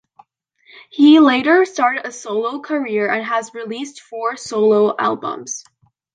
He later started a solo career and has released four solo albums.